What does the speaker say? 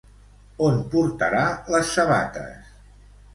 On portarà les sabates?